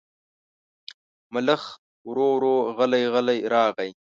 ملخ ورو ورو غلی غلی راغی.